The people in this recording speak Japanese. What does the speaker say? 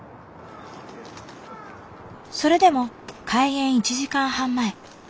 それでも開園１時間半前。